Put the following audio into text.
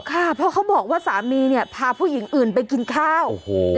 ค่ะเพราะเขาบอกว่าสามีเนี่ยพาผู้หญิงอื่นไปกินข้าวโอ้โห